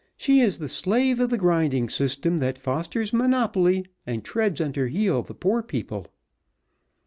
"She is the slave of the grinding system that fosters monopoly and treads under heel the poor people."